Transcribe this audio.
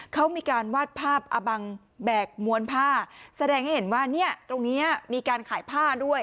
เขามีการวาดภาพอบังแบกมวลผ้าแสดงให้เห็นว่าเนี่ยตรงนี้มีการขายผ้าด้วย